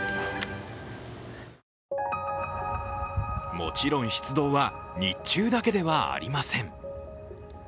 もちろん出動は日中だけではありません。